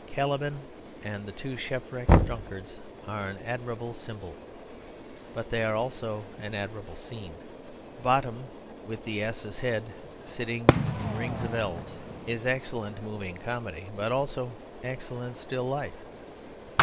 Caliban and the two shipwrecked drunkards are an admirable symbol; but they are also an admirable scene. Bottom, with the ass's head, sitting in a ring of elves, is excellent moving comedy, but also excellent still life.